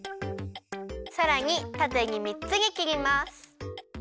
さらにたてに３つにきります。